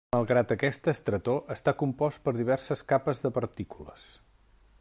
Malgrat aquesta estretor, està compost per diverses capes de partícules.